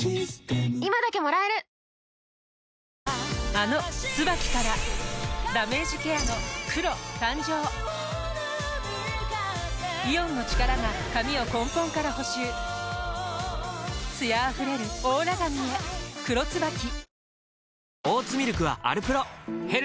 あの「ＴＳＵＢＡＫＩ」からダメージケアの黒誕生イオンの力が髪を根本から補修艶あふれるオーラ髪へ「黒ＴＳＵＢＡＫＩ」